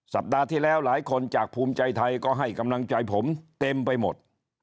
สัปดาห์ที่แล้วหลายคนจากภูมิใจไทยก็ให้กำลังใจผมเต็มไปหมด